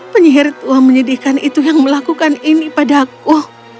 penyihir tua menyedihkan itu yang melakukan ini padaku